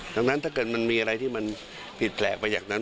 ดังนั้นถ้าเกิดมันมีอะไรที่มันผิดแปลกไปอย่างนั้น